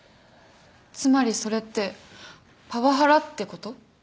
つまりそれってパワハラってこと？